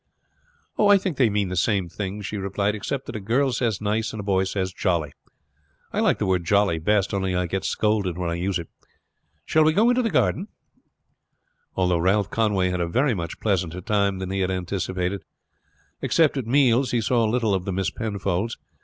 "I think they mean the same thing," she replied; "except that a girl says 'nice' and a boy says 'jolly.' I like the word 'jolly' best, only I get scolded when I use it. Shall we go into the garden?" Altogether Ralph Conway had a very much pleasanter time than he had anticipated. Except at meals he saw little of the Miss Penfolds.